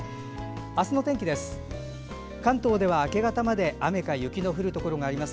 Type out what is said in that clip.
明日の天気です。